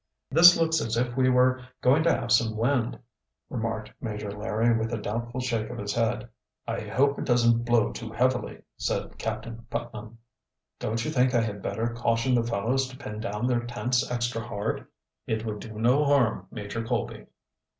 "This looks as if we were going to have some wind." remarked Major Larry with a doubtful shake of his head. "I hope it doesn't blow too heavily," said Captain Putnam. "Don't you think I had better caution the fellows to pin down their tents extra hard?" "It would do no harm, Major Colby."